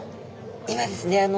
今ですね